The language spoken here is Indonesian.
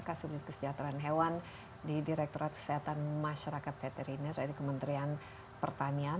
kasus kesejahteraan hewan di direkturat kesehatan masyarakat veteriner dari kementerian pertanian